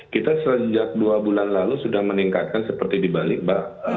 kita sejak dua bulan lalu sudah meningkatkan seperti di bali mbak